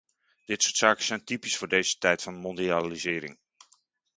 Dit soort zaken zijn typisch voor deze tijd van mondialisering.